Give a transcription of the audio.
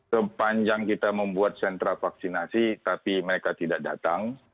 sepanjang kita membuat sentra vaksinasi tapi mereka tidak datang